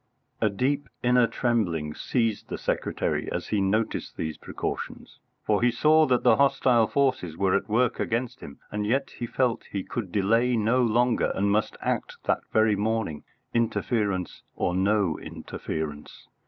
A deep inner trembling seized the secretary as he noticed these precautions, for he saw that the hostile forces were at work against him, and yet he felt he could delay no longer and must act that very morning, interference or no interference.